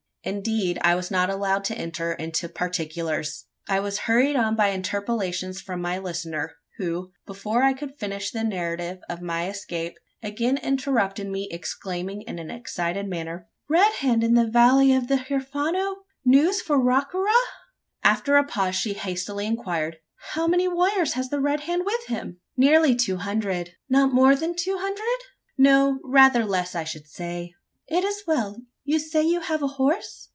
Indeed, I was not allowed to enter into particulars. I was hurried on by interpellations from my listener who, before I could finish the narrative of my escape, again interrupted me, exclaiming in an excited manner: "Red Hand in the valley of the Huerfano! news for Wa ka ra!" After a pause she hastily inquired: "How many warriors has the Red Hand with him?" "Nearly two hundred." "Not more than two hundred?" "No rather less, I should say." "It is well You say you have a horse?"